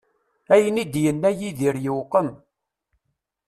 Ayen i d-yenna Yidir yewqem.